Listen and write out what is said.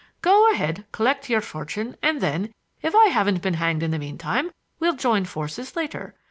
Go ahead, collect your fortune, and then, if I haven't been hanged in the meantime, we'll join forces later.